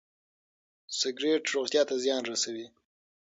سګرټ روغتيا ته زيان رسوي.